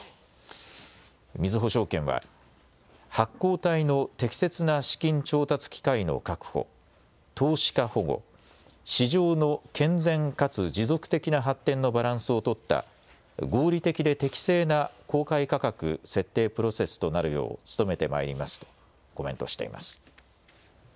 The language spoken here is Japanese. みずほ証券は発行体の適切な資金調達機会の確保、投資家保護、市場の健全かつ持続的な発展のバランスを取った合理的で適正な公開価格設定プロセスとなるよう努めてまいりますとコメントしています。